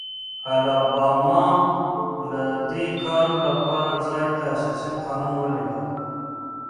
الاباما د دې کار لپاره ځان ته اساسي قانون ولیکه.